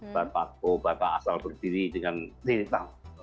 bapak bapak asal berdiri dengan diri tahu